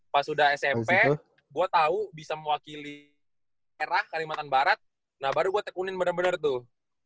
pas udah smp gue tau bisa mewakili daerah kalimantan barat nah baru gue tekunin benar benar tuh